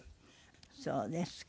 そうですか。